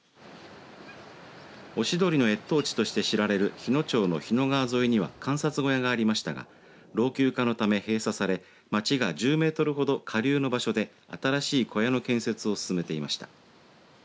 おしどりの越冬地と知られる日野町の日野川沿いには観察小屋がありましたが老朽化のため閉鎖され町が１０メートルほど下流の場所で新しい小屋の建設を進めていました。